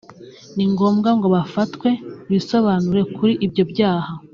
ni ngombwa ngo bafatwe bisobanure kuri ibyo byaha